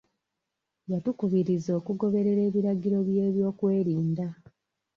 Yatukubiriza okugoberera ebiragiro by'ebyokwerinda.